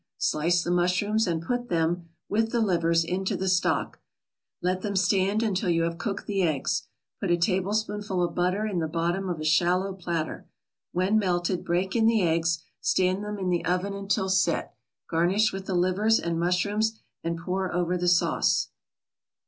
Slice the mushrooms and put them, with the livers, into the stock; let them stand until you have cooked the eggs. Put a tablespoonful of butter in the bottom of a shallow platter; when melted break in the eggs, stand them in the oven until "set," garnish with the livers and mushrooms and pour over the sauce.